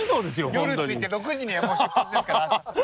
夜着いて６時にはもう出発ですから。